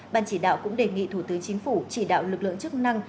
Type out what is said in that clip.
ban chỉ đạo cũng đề nghị thủ tướng chính phủ chỉ đạo lực lượng chức năng